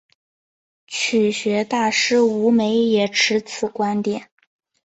曲学大师吴梅也持此观点。